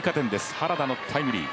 原田のタイムリー。